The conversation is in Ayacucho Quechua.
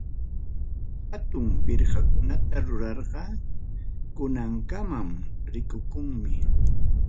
Hatun pirqakunata rurarqa, kunankama rikukunmi.